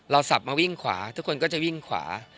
สับมาวิ่งขวาทุกคนก็จะวิ่งขวา